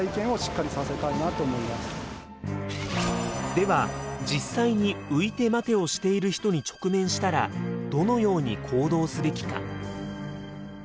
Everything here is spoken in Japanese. では実際に「ういてまて」をしている人に直面したらどのように行動すべきか？